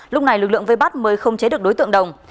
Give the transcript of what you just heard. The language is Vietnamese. lúc này lực lượng vây bắt mới không chế được đối tượng đồng